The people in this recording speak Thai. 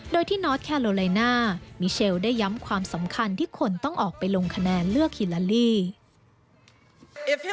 โดยที่นอสแคโลไลน่ามิเชลได้ย้ำความสำคัญที่คนต้องออกไปลงคะแนนเลือกฮิลาลี